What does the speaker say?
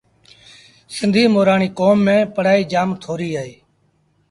سنڌيٚ مورآڻيٚ ڪوم ميݩ پڙهآئيٚ جآم ٿوريٚ اهي